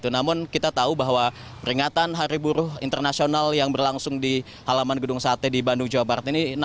namun kita tahu bahwa peringatan hari buruh internasional yang berlangsung di halaman gedung sate di bandung jawa barat ini